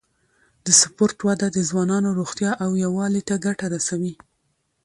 د سپورت وده د ځوانانو روغتیا او یووالي ته ګټه رسوي.